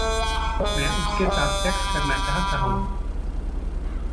मैं उसके साथ सेक्स करना चाहता हूँ।